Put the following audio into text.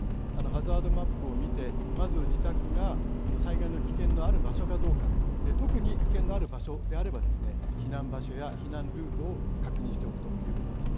ハザードマップを見てまず自宅が災害の危険のある場所かどうか特に危険のある場所であれば避難場所や避難ルートを確認しておくということです。